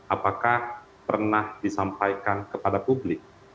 apakah pernah disampaikan kepada publik